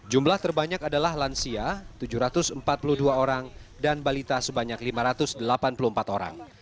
jumlah terbanyak adalah lansia tujuh ratus empat puluh dua orang dan balita sebanyak lima ratus delapan puluh empat orang